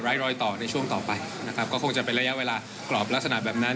รอยต่อในช่วงต่อไปนะครับก็คงจะเป็นระยะเวลากรอบลักษณะแบบนั้น